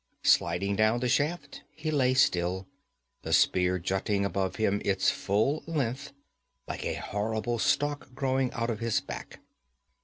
Sliding down the shaft he lay still, the spear jutting above him its full length, like a horrible stalk growing out of his back.